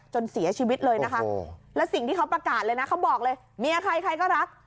เสียชีวิตเลยนะคะแล้วสิ่งที่เขาประกาศเลยนะเขาบอกเลยเมียใครใครก็รัก